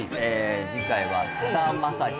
次回はさだまさしさん。